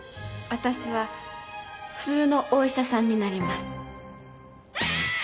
私は普通のお医者さんになります。